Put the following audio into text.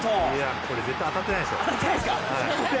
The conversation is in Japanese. これ絶対当たってないでしょ。